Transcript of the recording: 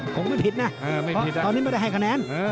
คงไม่ผิดนะเพราะตอนนี้ไม่ได้ให้คะแนน